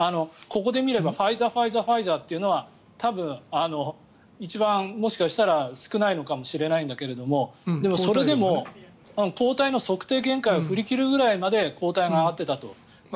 ここで見ればファイザーファイザー、ファイザーというのは一番もしかしたら少ないのかもしれないけどでも、それでも抗体の測定限界を振り切るぐらいまで抗体が上がっていたと。